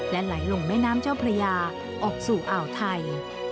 ไหลลงแม่น้ำเจ้าพระยาออกสู่อ่าวไทย